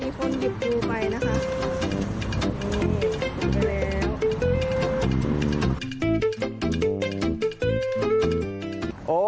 มีคนหยิบปูไปนะคะ